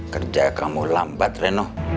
kerja kamu lambat reno